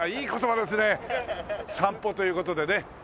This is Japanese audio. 散歩という事でね